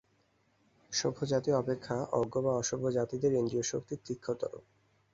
সভ্য জাতি অপেক্ষা অজ্ঞ বা অসভ্য জাতিদের ইন্দ্রিয়শক্তি তীক্ষ্ণতর।